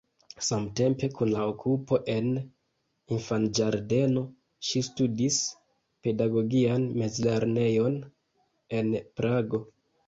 Samtempe kun la okupo en infanĝardeno ŝi studis pedagogian mezlernejon en Prago.